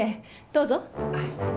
どうぞ。